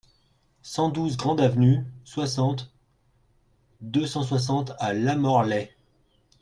cent douze grande Avenue, soixante, deux cent soixante à Lamorlaye